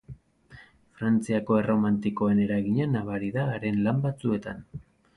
Frantziako erromantikoen eragina nabari da haren lan batzuetan.